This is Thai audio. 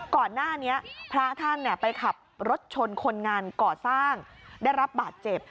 ก่อนหน้านี้พระท่านไปขับรถชนคนงานก่อสร้างได้รับบาดเจ็บ